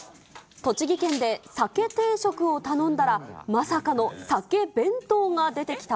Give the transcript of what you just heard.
栃木県で鮭定食を頼んだら、まさかの鮭弁当が出てきた？